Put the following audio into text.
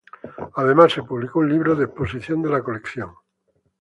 Además, se publicó un libro de exposición de la colección.